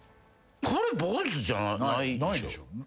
これ坊主じゃないでしょ。